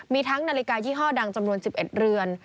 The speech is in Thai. มีทั้งนาฬิกายี่ห้อดังจำนวน๑๑เรือน